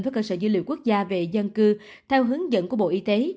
với cơ sở dữ liệu quốc gia về dân cư theo hướng dẫn của bộ y tế